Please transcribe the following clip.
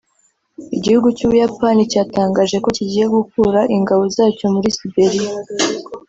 Igihugu cy’u Buyapani cyatangaje ko kigiye gukura ingabo zacyo muri Siberia